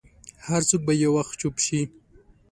هر څوک به یو وخت چوپ شي.